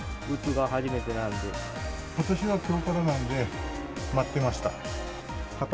ことしはきょうからなんで、待ってました。